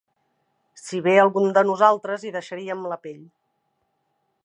...si bé alguns de nosaltres hi deixarien la pell